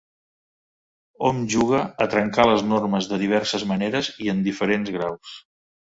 Hom juga a trencar les normes de diverses maneres i en diferents graus.